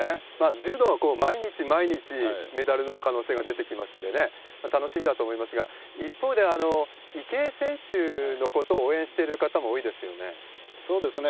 柔道は毎日毎日メダルの可能性が出てきますんでね、楽しみだと思いますが、一方で、池江選手のことを応援してる方も多いですよね。